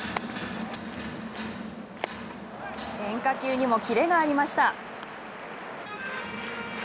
変化球にもキレがありました。